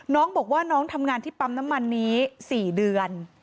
น้องบอกว่าน้องทำงานที่ปั๊มน้ำมันนี้๔เดือน